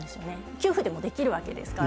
給付でもできるわけですから。